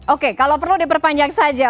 oke kalau perlu diperpanjang saja